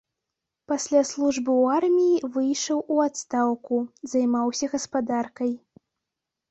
Пасля службы ў арміі выйшаў у адстаўку, займаўся гаспадаркай.